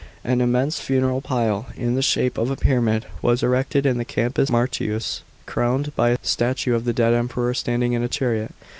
An immense funeral pile, in the shape of a pyramid, was erected in the Campus Martius, crowned by a staiue of the dead Emperor standing in a chariot.